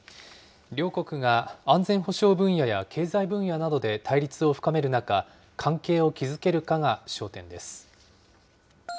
両国が安全保障分野や経済分野などで対立を深める中、関係を築けるかが焦点です。